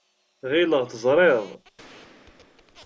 Ɣileɣ teẓriḍ.